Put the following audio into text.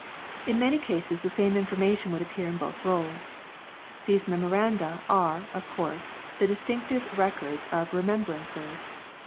In many cases the same information would appear in both rolls. These Memoranda are, of course, the distinctive Records of Remembrancers.